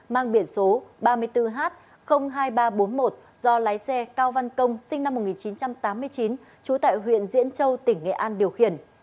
mang biển số ba mươi bốn h hai nghìn ba trăm bốn mươi một do lái xe cao văn công sinh năm một nghìn chín trăm tám mươi chín trú tại huyện diễn châu tỉnh nghệ an điều khiển